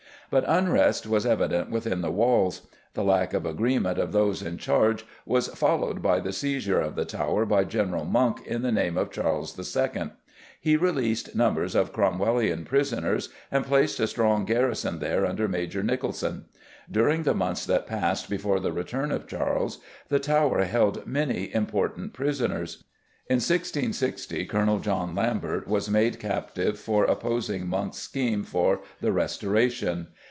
But unrest was evident within the walls; the lack of agreement of those in charge was followed by the seizure of the Tower by General Monk in the name of Charles II. He released numbers of Cromwellian prisoners and placed a strong garrison there under Major Nicholson. During the months that passed before the return of Charles, the Tower held many important prisoners. In 1660 Colonel John Lambert was made captive for opposing Monk's scheme for the Restoration.